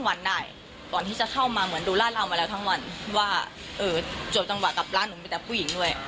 โอ้โหวินาทีชีวิตจริง